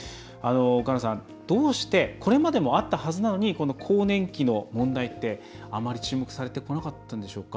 岡野さん、どうしてこれまでもあったはずなのにこの更年期の問題ってあまり注目されてこなかったんでしょうか？